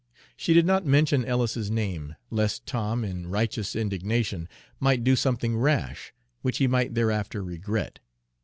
She did not mention Ellis's name, lest Tom, in righteous indignation, might do something rash, which he might thereafter regret.